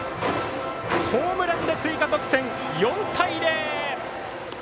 ホームランで追加得点４対０。